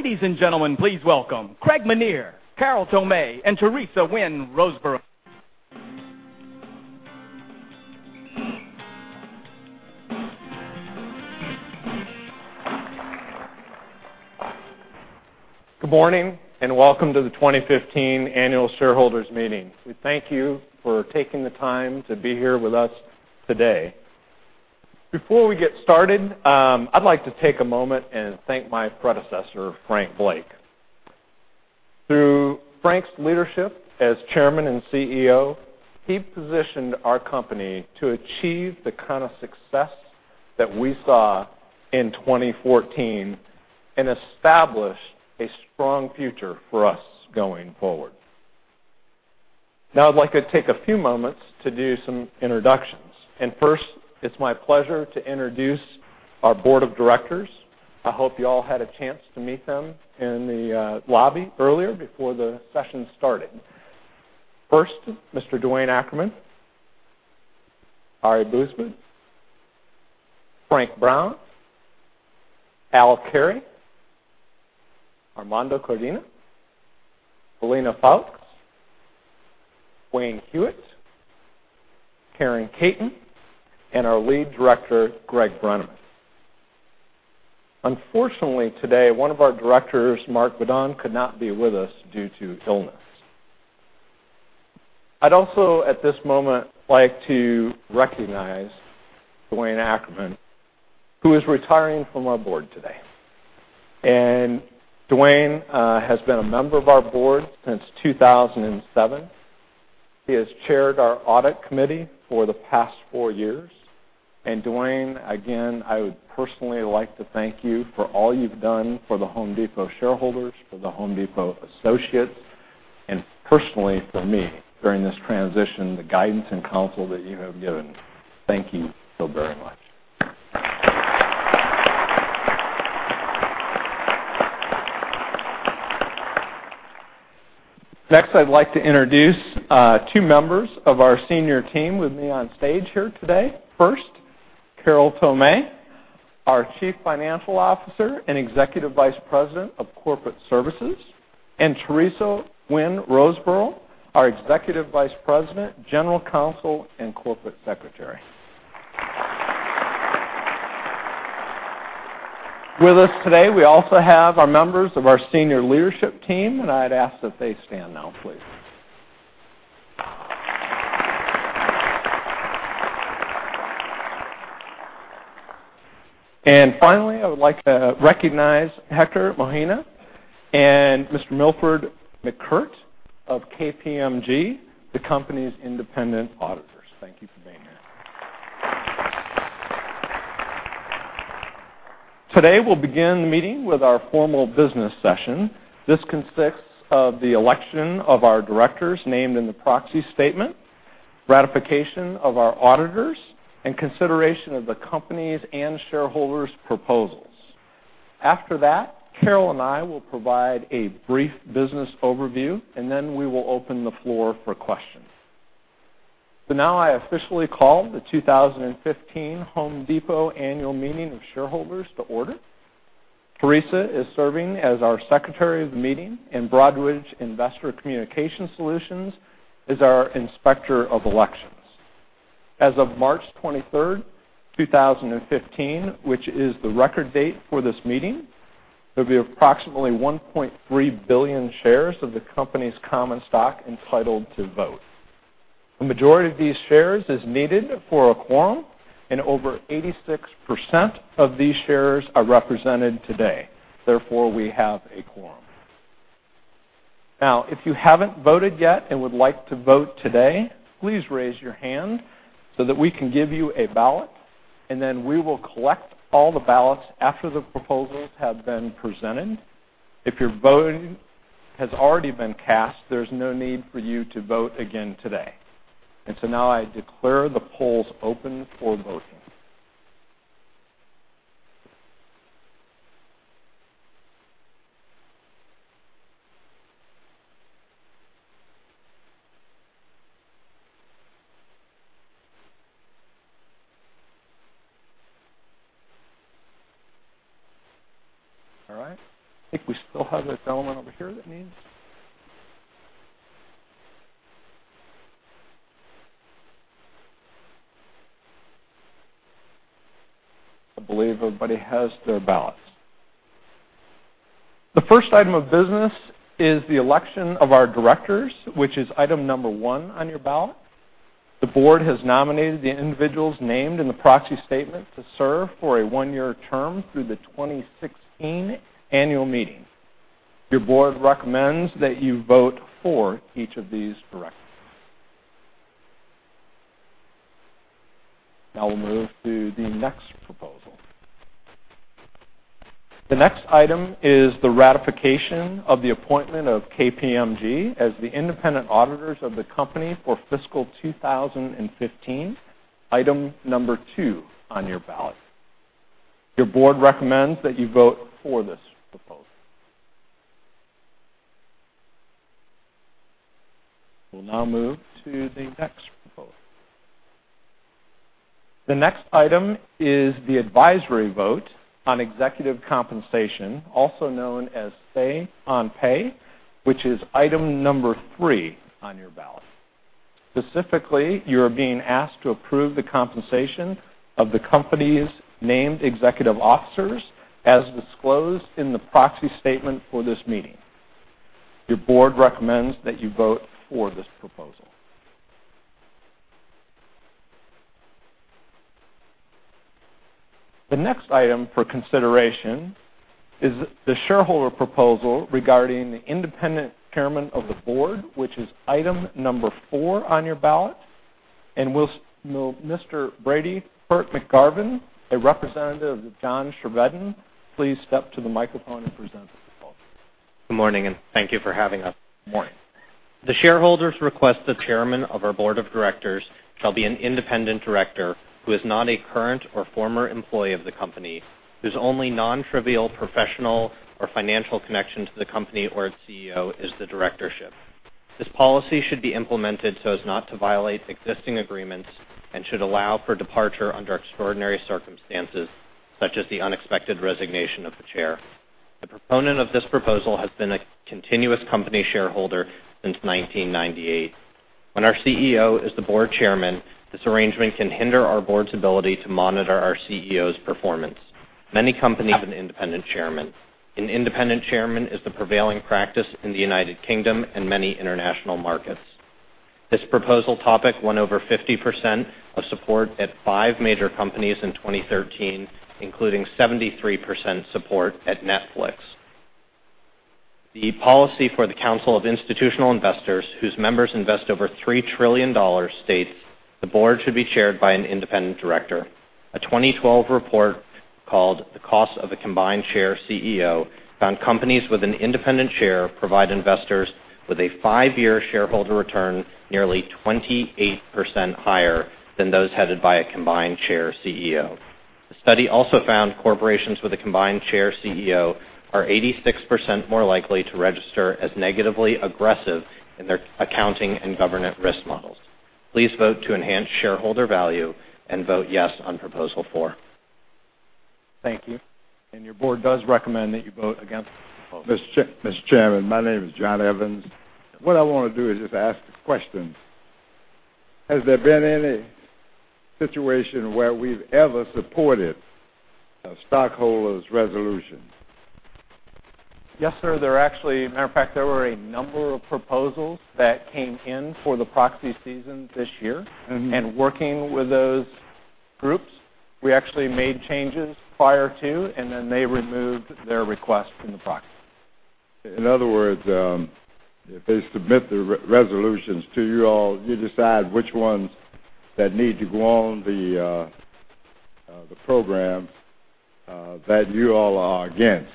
Ladies and gentlemen, please welcome Craig Menear, Carol Tomé, and Teresa Wynn Roseborough. Good morning, and welcome to the 2015 annual shareholders meeting. We thank you for taking the time to be here with us today. Before we get started, I'd like to take a moment and thank my predecessor, Frank Blake. Through Frank's leadership as Chairman and CEO, he positioned our company to achieve the kind of success that we saw in 2014 and establish a strong future for us going forward. First, it's my pleasure to introduce our board of directors. I hope you all had a chance to meet them in the lobby earlier before the session started. First, Mr. Duane Ackerman, Ari Bousbib, Frank Brown, Al Carey, Armando Codina, Helena Foulkes, Wayne Hewett, Karen Katen, and our Lead Director, Greg Brenneman. Unfortunately, today, one of our directors, Mark Vadon, could not be with us due to illness. I'd also, at this moment, like to recognize Duane Ackerman, who is retiring from our board today. Duane has been a member of our board since 2007. He has chaired our audit committee for the past four years. Duane, again, I would personally like to thank you for all you've done for The Home Depot shareholders, for The Home Depot associates, and personally for me during this transition, the guidance and counsel that you have given. Thank you so very much. Next, I'd like to introduce two members of our senior team with me on stage here today. First, Carol Tomé, our Chief Financial Officer and Executive Vice President of Corporate Services, and Teresa Wynn Roseborough, our Executive Vice President, General Counsel, and Corporate Secretary. With us today, we also have our members of our senior leadership team, and I'd ask that they stand now, please. Finally, I would like to recognize Hector Mojena and Mr. Milford McGuirt of KPMG, the company's independent auditors. Thank you for being here. Today, we'll begin the meeting with our formal business session. This consists of the election of our directors named in the proxy statement, ratification of our auditors, and consideration of the company's and shareholders' proposals. After that, Carol and I will provide a brief business overview, and then we will open the floor for questions. Now I officially call the 2015 Home Depot Annual Meeting of Shareholders to order. Teresa is serving as our secretary of the meeting, and Broadridge Investor Communication Solutions is our inspector of elections. As of March 23rd, 2015, which is the record date for this meeting, there will be approximately 1.3 billion shares of the company's common stock entitled to vote. A majority of these shares is needed for a quorum, over 86% of these shares are represented today. Therefore, we have a quorum. If you haven't voted yet and would like to vote today, please raise your hand so that we can give you a ballot, then we will collect all the ballots after the proposals have been presented. If your vote has already been cast, there's no need for you to vote again today. So now I declare the polls open for voting. All right. I think we still have this gentleman over here that needs I believe everybody has their ballots. The first item of business is the election of our directors, which is item number one on your ballot. The board has nominated the individuals named in the proxy statement to serve for a one-year term through the 2016 annual meeting. Your board recommends that you vote for each of these directors. We'll move to the next proposal. The next item is the ratification of the appointment of KPMG as the independent auditors of the company for fiscal 2015, item number two on your ballot. Your board recommends that you vote for this proposal. We'll now move to the next vote. The next item is the advisory vote on executive compensation, also known as Say on Pay, which is item number three on your ballot. Specifically, you are being asked to approve the compensation of the company's named executive officers as disclosed in the proxy statement for this meeting. Your board recommends that you vote for this proposal. The next item for consideration is the shareholder proposal regarding the independent chairman of the board, which is item number four on your ballot. Will Mr. Brady Quirk-Garvan, a representative of John Chevedden, please step to the microphone and present the proposal? Good morning, thank you for having us. Good morning. The shareholders request the chairman of our board of directors shall be an independent director who is not a current or former employee of the company, whose only non-trivial professional or financial connection to the company or its CEO is the directorship. This policy should be implemented so as not to violate existing agreements and should allow for departure under extraordinary circumstances, such as the unexpected resignation of the chair. The proponent of this proposal has been a continuous company shareholder since 1998. When our CEO is the board chairman, this arrangement can hinder our board's ability to monitor our CEO's performance. Many companies have an independent chairman. An independent chairman is the prevailing practice in the U.K. and many international markets. This proposal topic won over 50% of support at five major companies in 2013, including 73% support at Netflix. The policy for the Council of Institutional Investors, whose members invest over $3 trillion, states the board should be chaired by an independent director. A 2012 report called The Cost of a Combined Chair CEO found companies with an independent chair provide investors with a five-year shareholder return nearly 28% higher than those headed by a combined chair CEO. The study also found corporations with a combined chair CEO are 86% more likely to register as negatively aggressive in their accounting and governance risk models. Please vote to enhance shareholder value and vote yes on proposal 4. Thank you. Your board does recommend that you vote against the proposal. Mr. Chairman, my name is John Evans. What I want to do is just ask a question. Has there been any situation where we've ever supported a stockholder's resolution? Yes, sir. As a matter of fact, there were a number of proposals that came in for the proxy season this year. Working with those groups, we actually made changes, and then they removed their request from the proxy. In other words, if they submit the resolutions to you all, you decide which ones that need to go on the program that you all are against?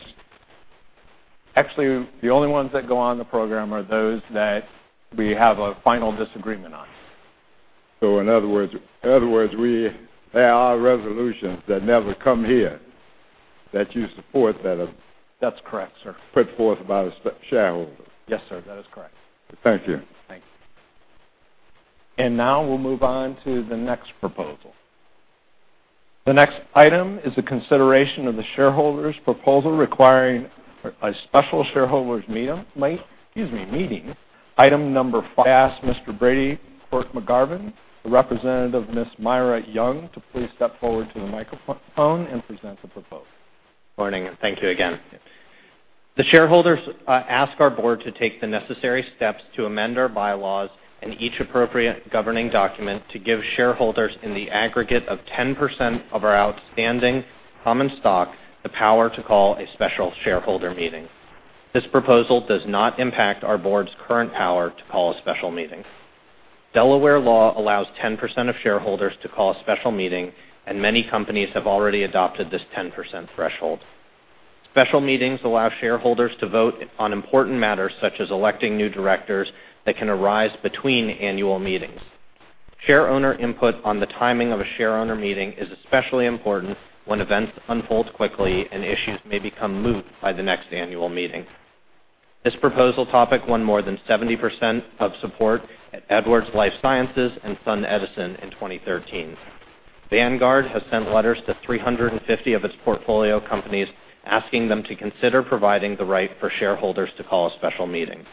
Actually, the only ones that go on the program are those that we have a final disagreement on. In other words, there are resolutions that never come here that you support that. That's correct, sir. put forth by the shareholders. Yes, sir. That is correct. Thank you. Thank you. Now we'll move on to the next proposal. The next item is a consideration of the shareholder's proposal requiring a special shareholder's meeting, item number five. I ask Mr. Brady Quirk-Garvan, the representative, Ms. Myra Young, to please step forward to the microphone and present the proposal. Morning. Thank you again. The shareholders ask our board to take the necessary steps to amend our bylaws and each appropriate governing document to give shareholders in the aggregate of 10% of our outstanding common stock the power to call a special shareholder meeting. This proposal does not impact our board's current power to call a special meeting. Delaware law allows 10% of shareholders to call a special meeting, and many companies have already adopted this 10% threshold. Special meetings allow shareholders to vote on important matters, such as electing new directors, that can arise between annual meetings. Shareowner input on the timing of a shareowner meeting is especially important when events unfold quickly and issues may become moot by the next annual meeting. This proposal topic won more than 70% of support at Edwards Lifesciences and SunEdison in 2013. Vanguard has sent letters to 350 of its portfolio companies asking them to consider providing the right for shareholders to call a special meeting.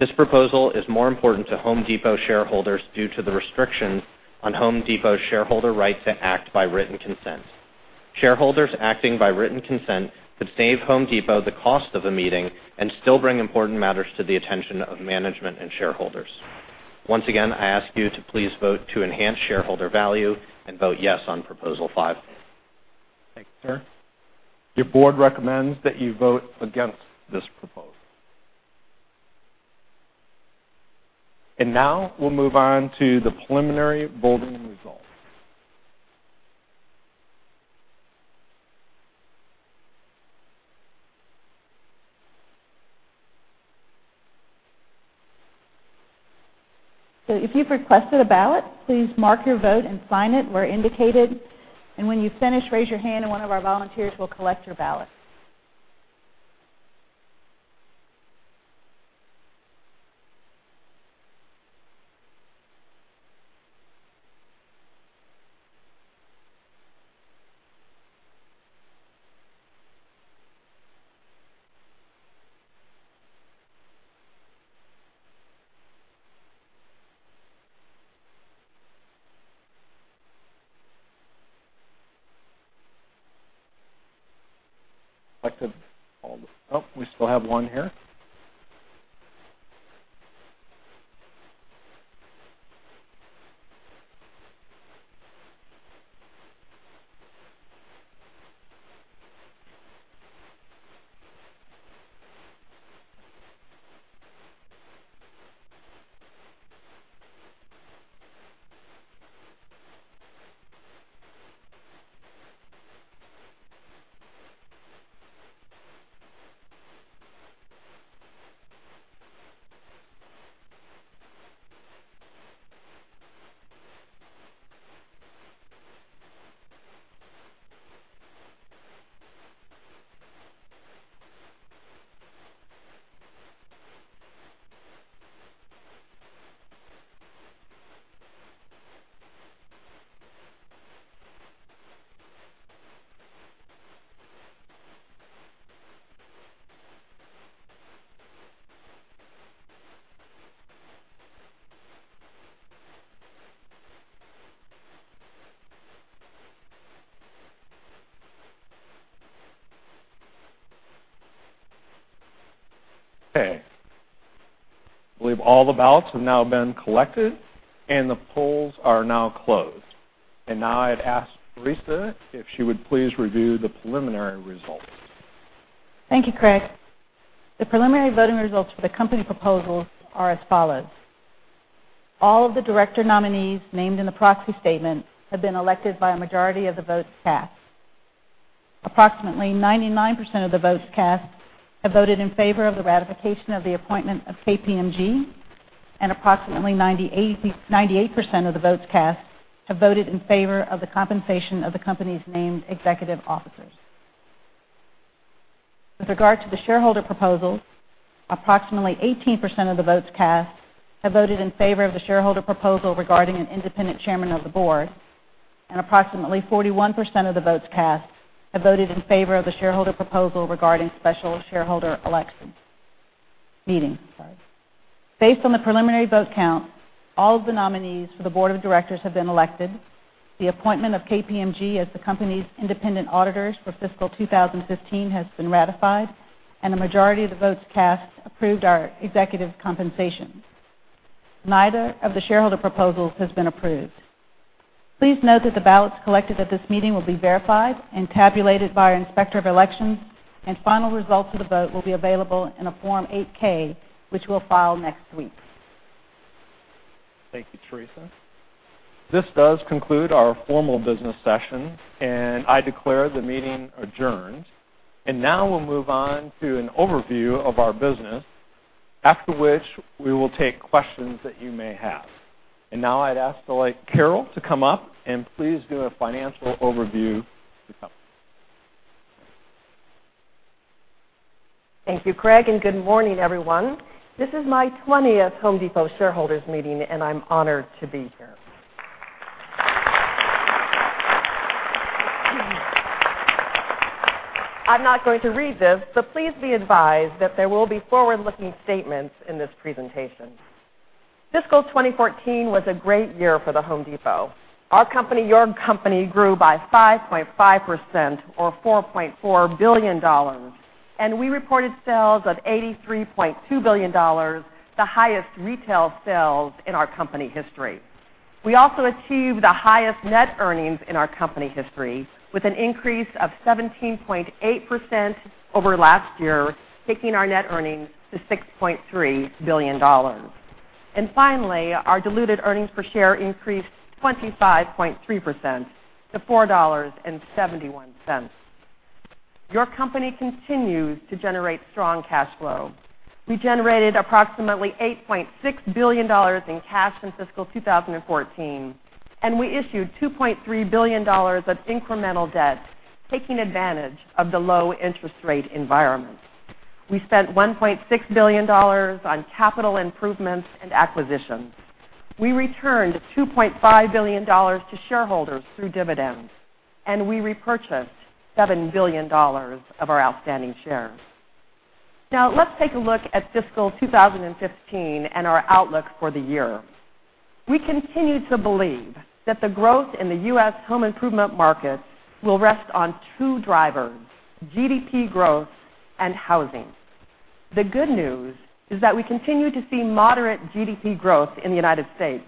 This proposal is more important to The Home Depot shareholders due to the restrictions on The Home Depot shareholder rights to act by written consent. Shareholders acting by written consent could save The Home Depot the cost of a meeting and still bring important matters to the attention of management and shareholders. Once again, I ask you to please vote to enhance shareholder value and vote yes on proposal five. Thank you, sir. Your board recommends that you vote against this proposal. Now we'll move on to the preliminary voting results. If you've requested a ballot, please mark your vote and sign it where indicated. When you finish, raise your hand and one of our volunteers will collect your ballot. Collected all the Oh, we still have one here. Okay. I believe all the ballots have now been collected, the polls are now closed. Now I'd ask Teresa if she would please review the preliminary results. Thank you, Craig. The preliminary voting results for the company proposals are as follows. All of the director nominees named in the proxy statement have been elected by a majority of the votes cast. Approximately 99% of the votes cast have voted in favor of the ratification of the appointment of KPMG, and approximately 98% of the votes cast have voted in favor of the compensation of the company's named executive officers. With regard to the shareholder proposals, approximately 18% of the votes cast have voted in favor of the shareholder proposal regarding an independent chairman of the board, and approximately 41% of the votes cast have voted in favor of the shareholder proposal regarding special shareholder elections. Based on the preliminary vote count, all of the nominees for the board of directors have been elected. The appointment of KPMG as the company's independent auditors for fiscal 2015 has been ratified, and a majority of the votes cast approved our executive compensation. Neither of the shareholder proposals has been approved. Please note that the ballots collected at this meeting will be verified and tabulated by our Inspector of Elections, and final results of the vote will be available in a Form 8-K, which we'll file next week. Thank you, Teresa. This does conclude our formal business session, and I declare the meeting adjourned. Now we'll move on to an overview of our business, after which we will take questions that you may have. Now I'd ask Carol to come up and please do a financial overview of the company. Thank you, Craig, and good morning, everyone. This is my 20th The Home Depot shareholders meeting, and I'm honored to be here. I'm not going to read this, but please be advised that there will be forward-looking statements in this presentation. Fiscal 2014 was a great year for The Home Depot. Our company, your company, grew by 5.5% or $4.4 billion, and we reported sales of $83.2 billion, the highest retail sales in our company history. We also achieved the highest net earnings in our company history with an increase of 17.8% over last year, taking our net earnings to $6.3 billion. Finally, our diluted earnings per share increased 25.3% to $4.71. Your company continues to generate strong cash flow. We generated approximately $8.6 billion in cash in fiscal 2014, and we issued $2.3 billion of incremental debt, taking advantage of the low interest rate environment. We spent $1.6 billion on capital improvements and acquisitions. We returned $2.5 billion to shareholders through dividends. We repurchased $7 billion of our outstanding shares. Let's take a look at fiscal 2015 and our outlook for the year. We continue to believe that the growth in the U.S. home improvement market will rest on two drivers: GDP growth and housing. The good news is that we continue to see moderate GDP growth in the United States.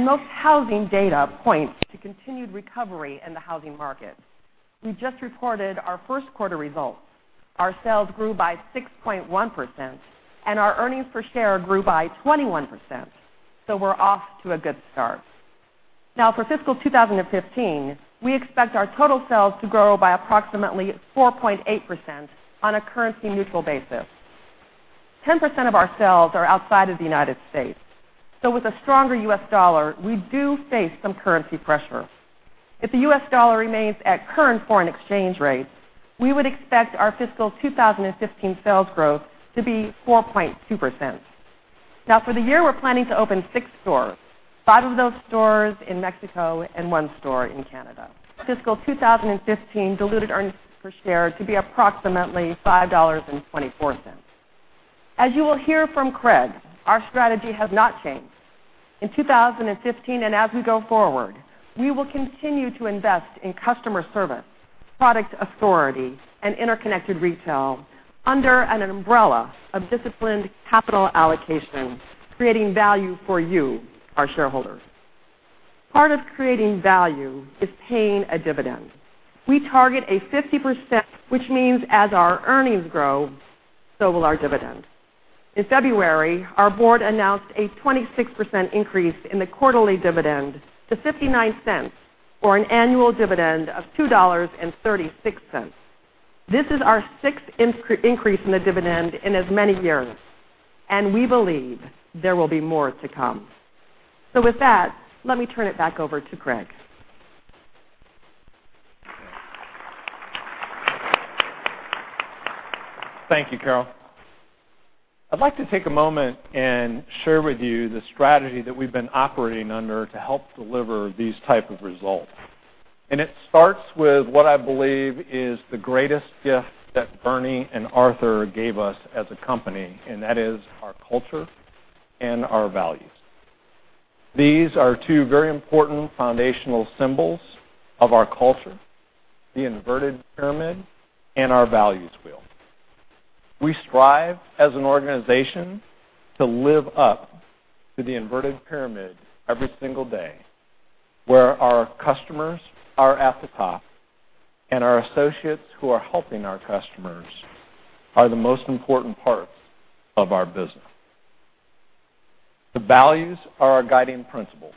Most housing data points to continued recovery in the housing market. We just reported our first quarter results. Our sales grew by 6.1%. Our earnings per share grew by 21%, so we're off to a good start. For fiscal 2015, we expect our total sales to grow by approximately 4.8% on a currency-neutral basis. 10% of our sales are outside of the United States. With a stronger U.S. dollar, we do face some currency pressure. If the U.S. dollar remains at current foreign exchange rates, we would expect our fiscal 2015 sales growth to be 4.2%. For the year, we're planning to open 6 stores, 5 of those stores in Mexico and 1 store in Canada. Fiscal 2015 diluted earnings per share to be approximately $5.24. As you will hear from Craig, our strategy has not changed. In 2015, as we go forward, we will continue to invest in customer service, product authority, and interconnected retail under an umbrella of disciplined capital allocation, creating value for you, our shareholders. Part of creating value is paying a dividend. We target a 50%, which means as our earnings grow, so will our dividend. In February, our board announced a 26% increase in the quarterly dividend to $0.59 or an annual dividend of $2.36. This is our 6th increase in the dividend in as many years. We believe there will be more to come. With that, let me turn it back over to Craig. Thank you, Carol. I'd like to take a moment and share with you the strategy that we've been operating under to help deliver these type of results. It starts with what I believe is the greatest gift that Bernie and Arthur gave us as a company, and that is our culture and our values. These are 2 very important foundational symbols of our culture, the inverted pyramid and our values wheel. We strive as an organization to live up to the inverted pyramid every single day, where our customers are at the top. Our associates who are helping our customers are the most important parts of our business. The values are our guiding principle.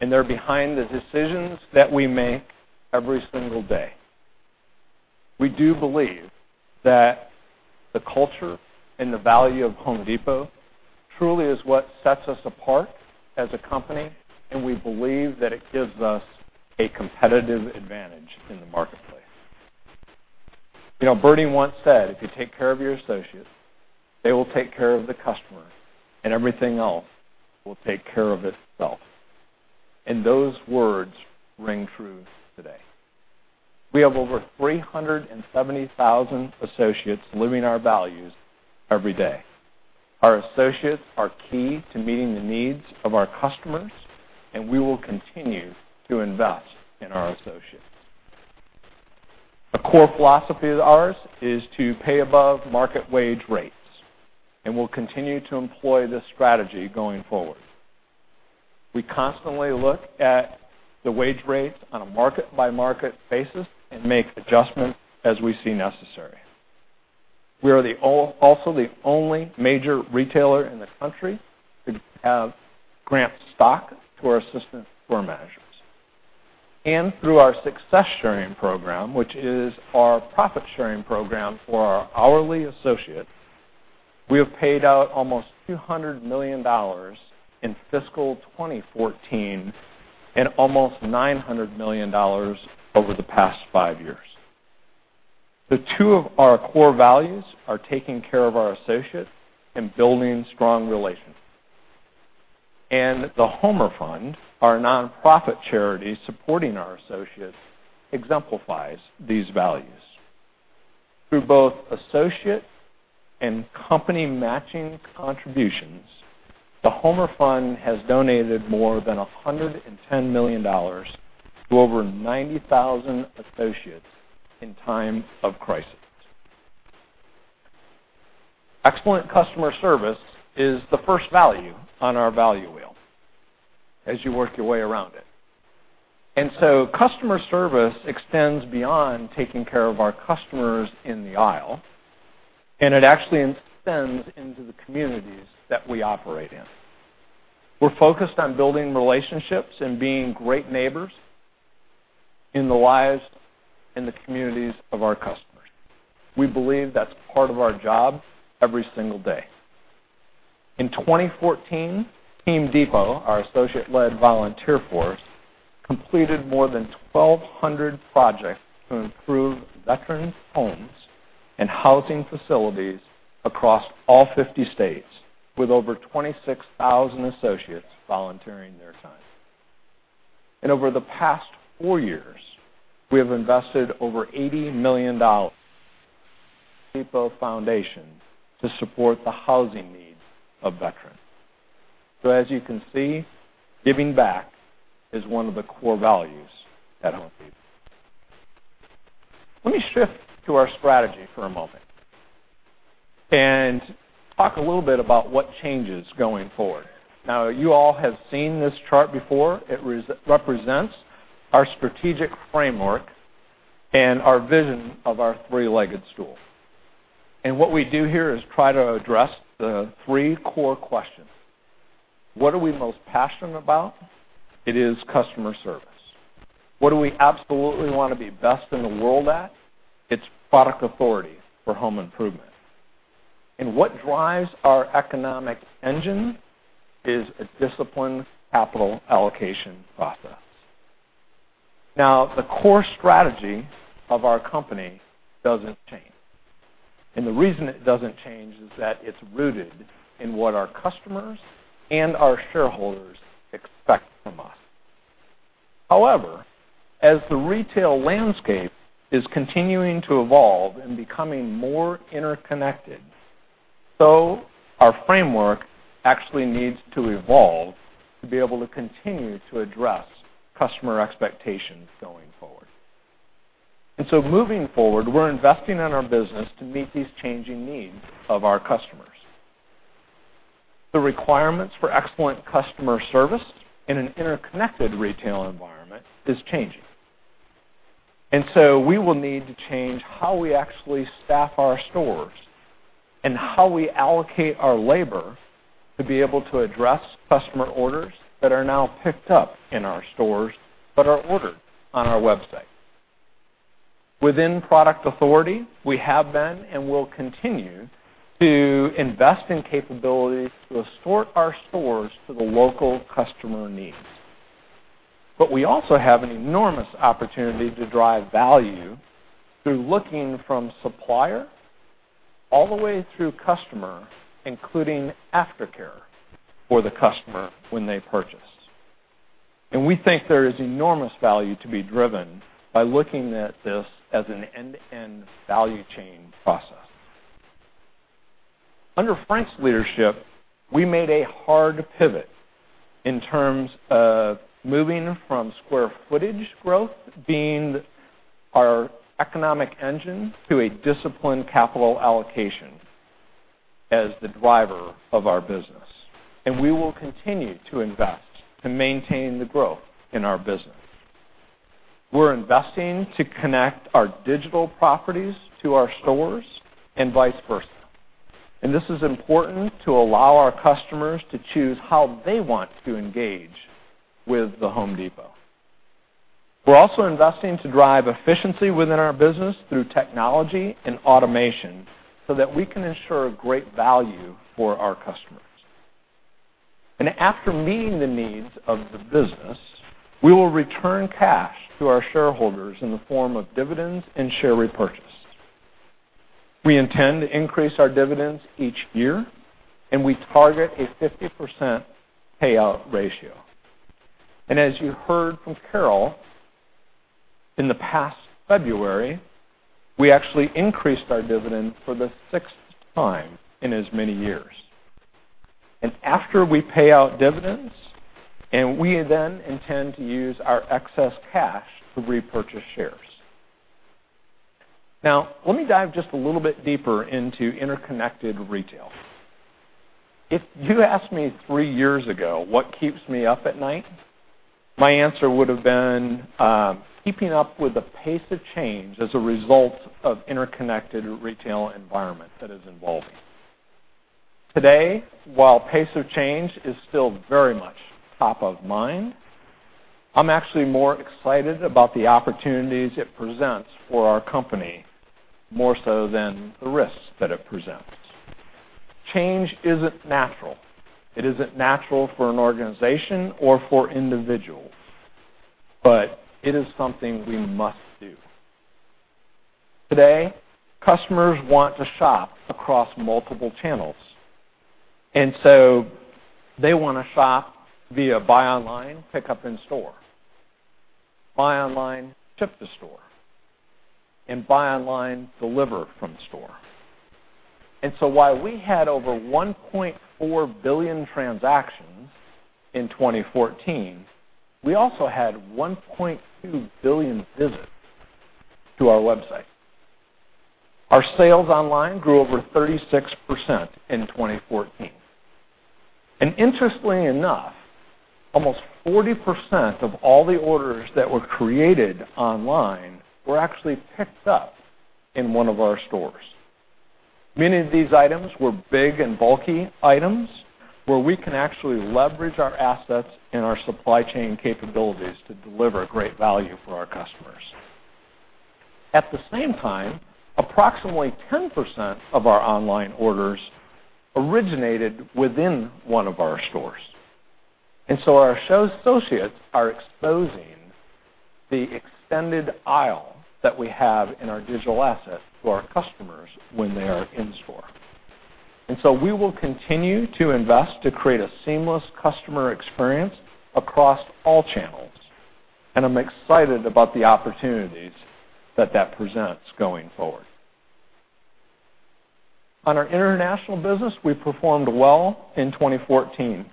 They're behind the decisions that we make every single day. We do believe that the culture and the value of The Home Depot truly is what sets us apart as a company. We believe that it gives us a competitive advantage in the marketplace. Bernie once said, "If you take care of your associates, they will take care of the customer, and everything else will take care of itself." Those words ring true today. We have over 370,000 associates living our values every day. Our associates are key to meeting the needs of our customers. We will continue to invest in our associates. A core philosophy of ours is to pay above market wage rates. We'll continue to employ this strategy going forward. We constantly look at the wage rates on a market-by-market basis and make adjustments as we see necessary. We are also the only major retailer in the country to grant stock to our assistant store managers. Through our Success Sharing program, which is our profit-sharing program for our hourly associates, we have paid out almost $200 million in fiscal 2014 and almost $900 million over the past five years. Two of our core values are taking care of our associates and building strong relationships. The Homer Fund, our nonprofit charity supporting our associates, exemplifies these values. Through both associate and company matching contributions, The Homer Fund has donated more than $110 million to over 90,000 associates in times of crisis. Excellent customer service is the first value on our value wheel as you work your way around it. Customer service extends beyond taking care of our customers in the aisle, and it actually extends into the communities that we operate in. We're focused on building relationships and being great neighbors in the lives and the communities of our customers. We believe that's part of our job every single day. In 2014, Team Depot, our associate-led volunteer force, completed more than 1,200 projects to improve veteran homes and housing facilities across all 50 states, with over 26,000 associates volunteering their time. Over the past four years, we have invested over $80 million Depot Foundation to support the housing needs of veterans. As you can see, giving back is one of the core values at The Home Depot. Let me shift to our strategy for a moment and talk a little bit about what changes going forward. You all have seen this chart before. It represents our strategic framework and our vision of our three-legged stool. What we do here is try to address the three core questions. What are we most passionate about? It is customer service. What do we absolutely want to be best in the world at? It's product authority for home improvement. What drives our economic engine is a disciplined capital allocation process. The core strategy of our company doesn't change. The reason it doesn't change is that it's rooted in what our customers and our shareholders expect from us. However, as the retail landscape is continuing to evolve and becoming more interconnected, so our framework actually needs to evolve to be able to continue to address customer expectations going forward. Moving forward, we're investing in our business to meet these changing needs of our customers. The requirements for excellent customer service in an interconnected retail environment is changing. We will need to change how we actually staff our stores and how we allocate our labor to be able to address customer orders that are now picked up in our stores but are ordered on our website. Within product authority, we have been and will continue to invest in capabilities to assort our stores to the local customer needs. We also have an enormous opportunity to drive value through looking from supplier all the way through customer, including aftercare for the customer when they purchase. We think there is enormous value to be driven by looking at this as an end-to-end value chain process. Under Frank's leadership, we made a hard pivot in terms of moving from square footage growth being our economic engine to a disciplined capital allocation as the driver of our business, and we will continue to invest to maintain the growth in our business. We're investing to connect our digital properties to our stores and vice versa. This is important to allow our customers to choose how they want to engage with The Home Depot. We're also investing to drive efficiency within our business through technology and automation so that we can ensure great value for our customers. After meeting the needs of the business, we will return cash to our shareholders in the form of dividends and share repurchase. We intend to increase our dividends each year, and we target a 50% payout ratio. As you heard from Carol, in the past February, we actually increased our dividend for the sixth time in as many years. After we pay out dividends, and we then intend to use our excess cash to repurchase shares. Now, let me dive just a little bit deeper into interconnected retail. If you asked me three years ago what keeps me up at night, my answer would have been keeping up with the pace of change as a result of interconnected retail environment that is evolving. Today, while pace of change is still very much top of mind, I'm actually more excited about the opportunities it presents for our company more so than the risks that it presents. Change isn't natural. It isn't natural for an organization or for individuals. It is something we must do. Today, customers want to shop across multiple channels, they want to shop via buy online, pick up in store, buy online, ship to store, and buy online, deliver from store. While we had over 1.4 billion transactions in 2014, we also had 1.2 billion visits to our website. Our sales online grew over 36% in 2014. Interestingly enough, almost 40% of all the orders that were created online were actually picked up in one of our stores. Many of these items were big and bulky items where we can actually leverage our assets and our supply chain capabilities to deliver great value for our customers. At the same time, approximately 10% of our online orders originated within one of our stores. Our associates are exposing the extended aisle that we have in our digital asset to our customers when they are in store. We will continue to invest to create a seamless customer experience across all channels. I'm excited about the opportunities that that presents going forward. On our international business, we performed well in 2014.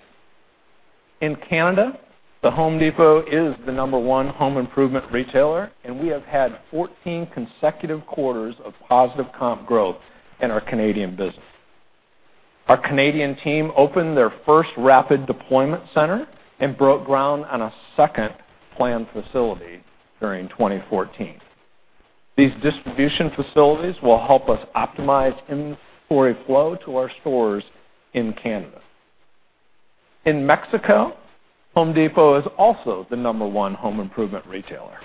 In Canada, The Home Depot is the number 1 home improvement retailer, and we have had 14 consecutive quarters of positive comp growth in our Canadian business. Our Canadian team opened their first rapid deployment center and broke ground on a second planned facility during 2014. These distribution facilities will help us optimize inventory flow to our stores in Canada. In Mexico, The Home Depot is also the number 1 home improvement retailer.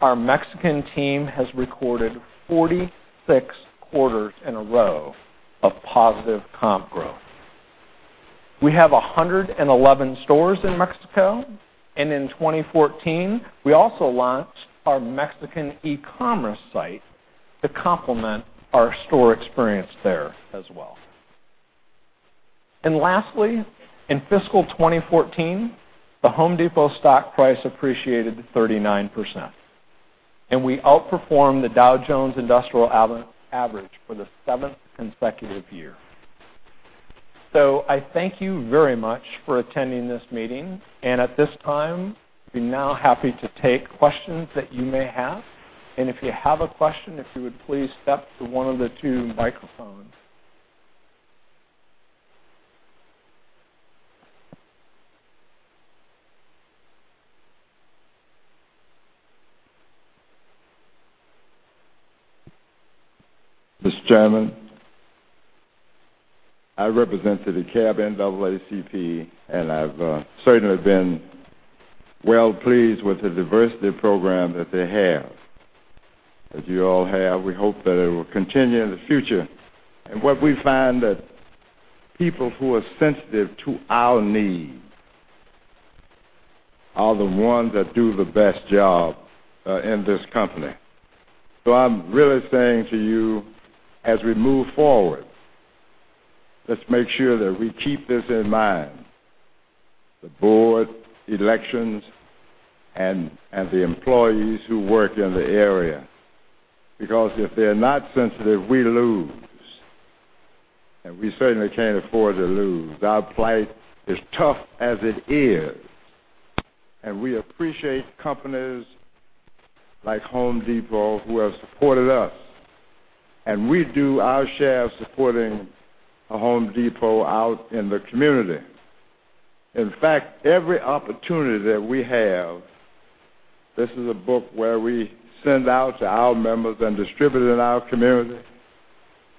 Our Mexican team has recorded 46 quarters in a row of positive comp growth. We have 111 stores in Mexico, and in 2014, we also launched our Mexican e-commerce site to complement our store experience there as well. Lastly, in fiscal 2014, The Home Depot stock price appreciated 39%, we outperformed the Dow Jones Industrial Average for the seventh consecutive year. I thank you very much for attending this meeting. At this time, I'd be now happy to take questions that you may have. If you have a question, if you would please step to one of the two microphones. Mr. Chairman, I represent the Cobb NAACP, I've certainly been well pleased with the diversity program that they have. As you all have, we hope that it will continue in the future. What we find that people who are sensitive to our needs are the ones that do the best job in this company. I'm really saying to you, as we move forward, let's make sure that we keep this in mind, the board elections and the employees who work in the area. Because if they're not sensitive, we lose, we certainly can't afford to lose. Our plight is tough as it is, we appreciate companies like The Home Depot who have supported us, we do our share of supporting The Home Depot out in the community. In fact, every opportunity that we have, this is a book where we send out to our members and distribute it in our community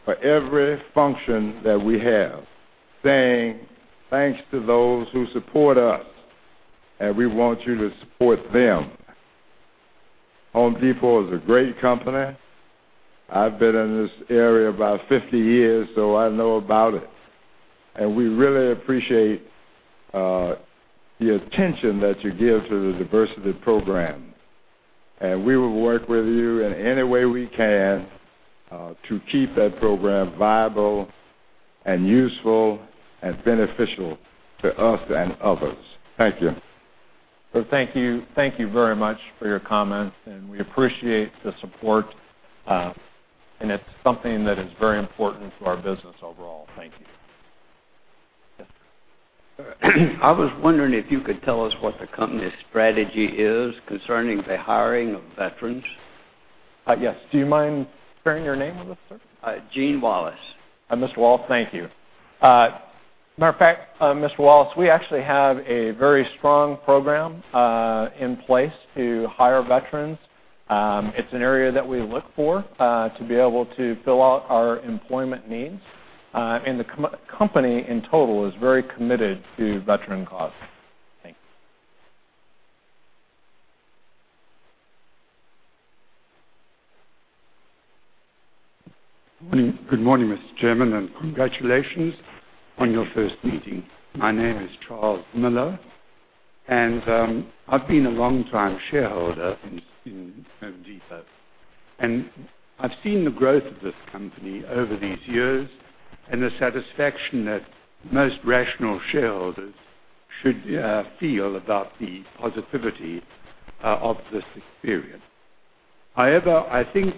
for every function that we have saying thanks to those who support us, we want you to support them. The Home Depot is a great company. I've been in this area about 50 years, I know about it, we really appreciate the attention that you give to the diversity program. We will work with you in any way we can to keep that program viable and useful and beneficial to us and others. Thank you. Thank you. Thank you very much for your comments, and we appreciate the support. It's something that is very important to our business overall. Thank you. Yes, sir. I was wondering if you could tell us what the company's strategy is concerning the hiring of veterans. Yes. Do you mind sharing your name with us, sir? Gene Wallace. Mr. Wallace, thank you. Matter of fact, Mr. Wallace, we actually have a very strong program in place to hire veterans. It's an area that we look for to be able to fill out our employment needs. The company, in total, is very committed to veteran cause. Thank you. Good morning, Mr. Chairman, congratulations on your first meeting. My name is Charles Miller, I've been a longtime shareholder in The Home Depot, I've seen the growth of this company over these years and the satisfaction that most rational shareholders should feel about the positivity of this experience. However, I think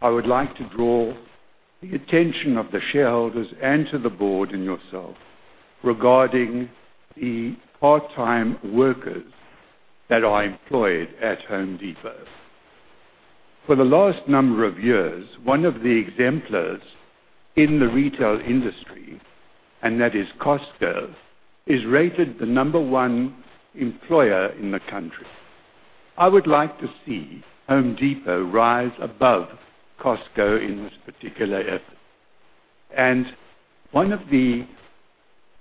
I would like to draw the attention of the shareholders and to the board and yourself regarding the part-time workers that are employed at The Home Depot. For the last number of years, one of the exemplars in the retail industry, that is Costco, is rated the number one employer in the country. I would like to see The Home Depot rise above Costco in this particular effort. One of the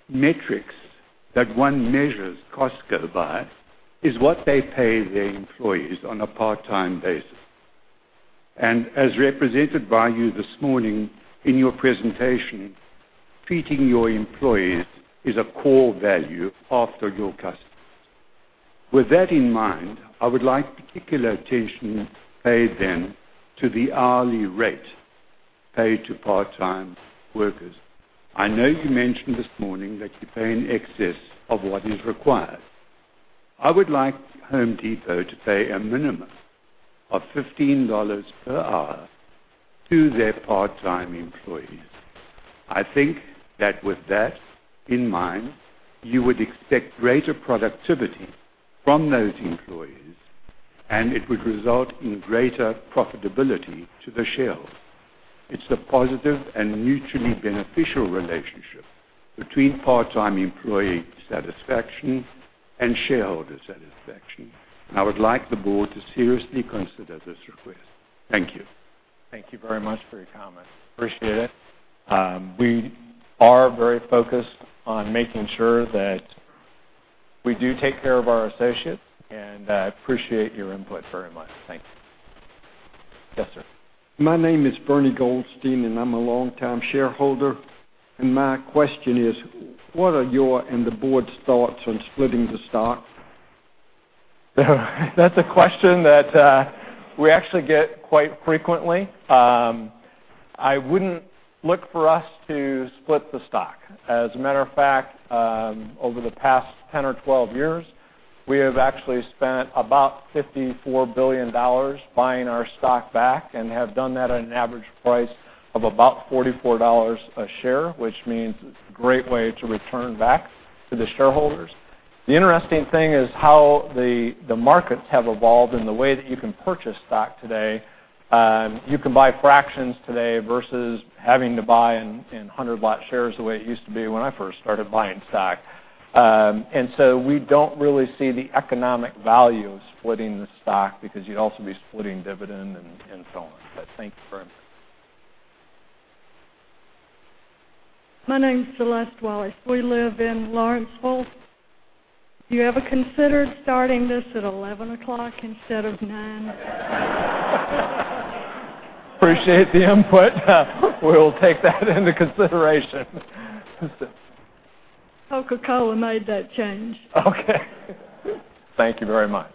metrics that one measures Costco by is what they pay their employees on a part-time basis. As represented by you this morning in your presentation, treating your employees is a core value after your customers. With that in mind, I would like particular attention paid then to the hourly rate paid to part-time workers. I know you mentioned this morning that you pay in excess of what is required. I would like The Home Depot to pay a minimum of $15 per hour to their part-time employees. I think that with that in mind, you would expect greater productivity from those employees, and it would result in greater profitability to the shareholders. It's the positive and mutually beneficial relationship between part-time employee satisfaction and shareholder satisfaction. I would like the board to seriously consider this request. Thank you. Thank you very much for your comments. Appreciate it. We are very focused on making sure that we do take care of our associates, I appreciate your input very much. Thank you. Yes, sir. My name is Bernie Goldstein and I'm a longtime shareholder, and my question is, what are your and the board's thoughts on splitting the stock? That's a question that we actually get quite frequently. I wouldn't look for us to split the stock. As a matter of fact, over the past 10 or 12 years, we have actually spent about $54 billion buying our stock back and have done that at an average price of about $44 a share, which means it's a great way to return back to the shareholders. The interesting thing is how the markets have evolved and the way that you can purchase stock today. You can buy fractions today versus having to buy in 100-lot shares the way it used to be when I first started buying stock. We don't really see the economic value of splitting the stock because you'd also be splitting dividend and so on. Thank you for it. My name's Celeste Wallace. We live in Lawrenceville. You ever considered starting this at 11:00 instead of 9:00? Appreciate the input. We'll take that into consideration. Coca-Cola made that change. Okay. Thank you very much.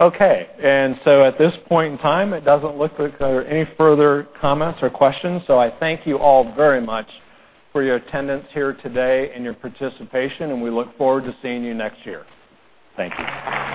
Okay. At this point in time, it doesn't look like there are any further comments or questions. I thank you all very much for your attendance here today and your participation. We look forward to seeing you next year. Thank you.